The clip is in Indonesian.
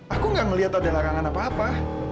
aku gak melihat ada larangan apa apa